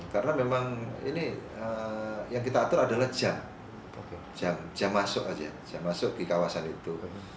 karena memang ini yang kita atur adalah jam jam masuk aja jam masuk di kawasan itu